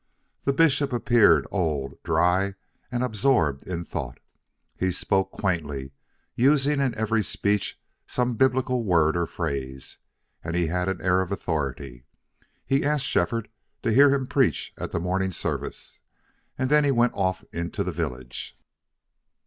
The bishop appeared old, dry, and absorbed in thought; he spoke quaintly, using in every speech some Biblical word or phrase; and he had an air of authority. He asked Shefford to hear him preach at the morning service, and then he went off into the village.